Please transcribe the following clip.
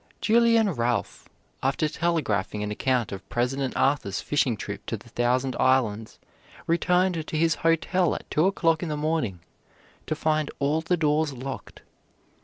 Julian Ralph, after telegraphing an account of President Arthur's fishing trip to the Thousand Islands, returned to his hotel at two o'clock in the morning, to find all the doors locked.